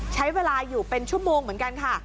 ใช้เวลาอยู่เป็นชั่วโมงเหมือนกันค่ะ